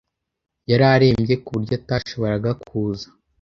Yari arembye, ku buryo atashoboraga kuza.